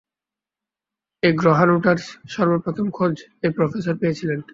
এই গ্রহাণুটার সর্বপ্রথম খোঁজ এই প্রফেসর পেয়েছিলেন?